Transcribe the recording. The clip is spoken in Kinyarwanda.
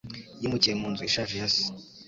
Yimukiye mu nzu ishaje ya se.